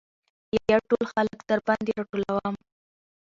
يا ټول خلک درباندې راټولم .